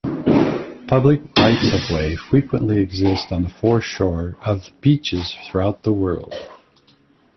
Public rights of way frequently exist on the foreshore of beaches throughout the world.